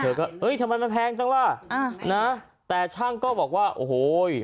เธอก็เอ้ยทำไมมันแพงจังล่ะอ่านะแต่ช่างก็บอกว่าโอ้โห